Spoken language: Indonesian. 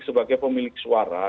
sebagai pemilik suara